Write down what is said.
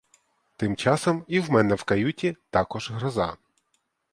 Тим часом і в мене в каюті також гроза.